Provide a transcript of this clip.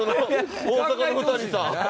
大阪の２人さん。